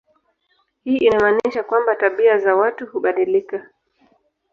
Hii inamaanisha kwamba tabia za watu hubadilika.